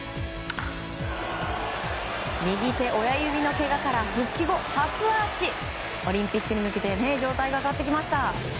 右手親指のけがから復帰後初アーチ、オリンピックに向けて状態が上がってきました。